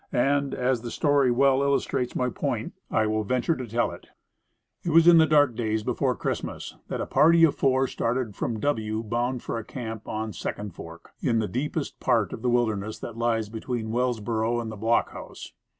And, as the story well illustrates my point, I will venture to tell it. It was in the "dark days before Christmas" that a party of four started from W., bound for a camp on Second Fork, in the deepest part of the wilderness that lies between Wellsboro and the Block . House.